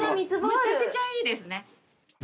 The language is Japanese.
むちゃくちゃいいですね。